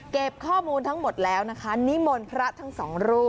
เก็บข้อมูลทั้งหมดแล้วนะคะนิมลพระสองลูก